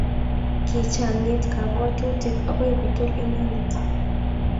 kichang'it kabwotutik akoi kotur inendet